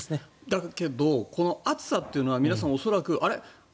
だけどこの暑さは皆さん恐らくあれ？